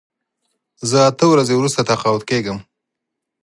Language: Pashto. زه اته ورځې وروسته تقاعد کېږم.